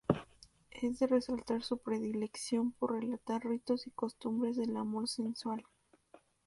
Es de resaltar su predilección por relatar ritos y costumbres del amor sensual.